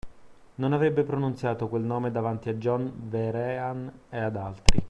Non avrebbe pronunziato quel nome davanti a John Vehrehan e ad altri.